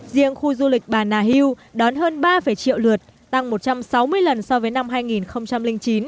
riêng khu du lịch bà nà hill đón hơn ba triệu lượt tăng một trăm sáu mươi lần so với năm hai nghìn chín